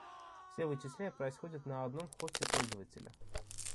Все вычисления происходят на одном хосте пользователя